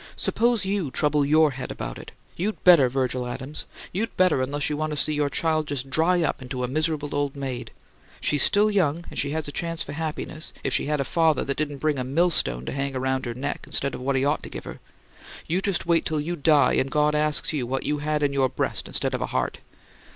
"Suppose you trouble YOUR head about it! You'd better, Virgil Adams! You'd better, unless you want to see your child just dry up into a miserable old maid! She's still young and she has a chance for happiness, if she had a father that didn't bring a millstone to hang around her neck, instead of what he ought to give her! You just wait till you die and God asks you what you had in your breast instead of a heart!"